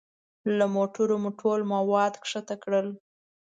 له موټرو مو ټول مواد ښکته کړل.